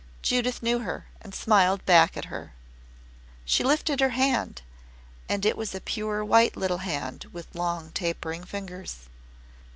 Judith knew her and smiled back at her. She lifted her hand and it was a pure white little hand with long tapering fingers.